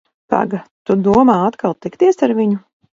Paga, tu domā atkal tikties ar viņu?